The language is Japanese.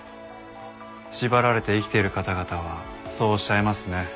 縛られて生きている方々はそうおっしゃいますね。